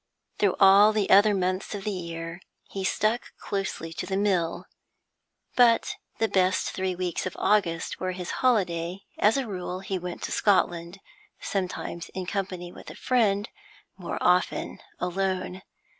Through all the other months of the year he stuck closely to the mill, but the best three weeks of August were his holiday; as a rule, he went to Scotland, sometimes in company with a friend, more often alone.